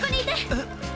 えっ。